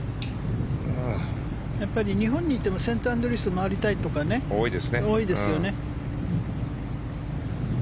やっぱり日本にいてもセントアンドリュース回りたいとか多いですよね。